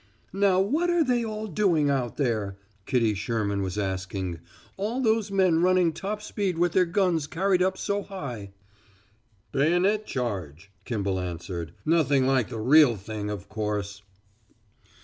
"Now what are they all doing out there?" Kitty Sherman was asking. "All those men running top speed with their guns carried up so high." "Bayonet charge," Kimball answered. "Nothing like the real thing, of course."